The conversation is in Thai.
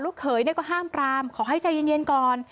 ลูกเขยเนี้ยก็ห้ามปรามขอให้ใจเย็นเย็นก่อน